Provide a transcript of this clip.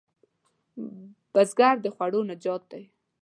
بزګر د خوړو نجات دی